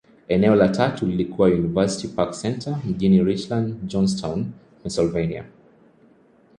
Eneo la tatu lililokuwa University Park Centre, mjini Richland, Johnstown, Pennyslvania.